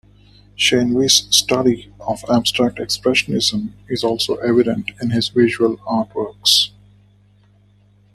Shen Wei's study of abstract expressionism is also evident in his visual artworks.